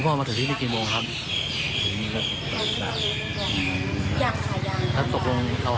ก็จะเคลื่อนสกช่วงเช้า